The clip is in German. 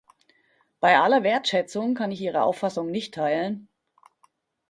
Bei aller Wertschätzung kann ich Ihre Auffassung nicht teilen.